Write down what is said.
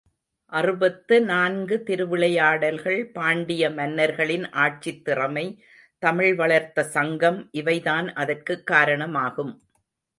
அறுபத்து நான்கு திருவிளையாடல்கள், பாண்டிய மன்னர்களின் ஆட்சித் திறமை, தமிழ் வளர்த்த சங்கம் இவைதான் அதற்குக் காரணமாகும்.